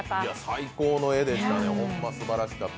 最高の絵でしたね、ホンマすばらしかった。